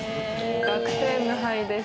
学生無敗です。